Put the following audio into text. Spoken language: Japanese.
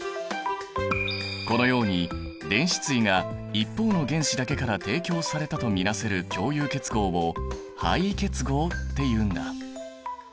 このように電子対が一方の原子だけから提供されたと見なせる共有結合を配位結合っていうんだ。